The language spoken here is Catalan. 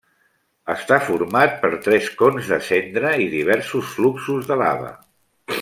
Està format per tres cons de cendra i diversos fluxos de lava.